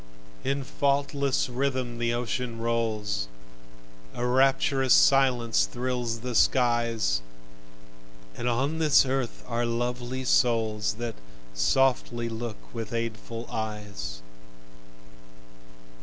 In faultless rhythm the ocean rolls, A rapturous silence thrills the skies; And on this earth are lovely souls, That softly look with aidful eyes.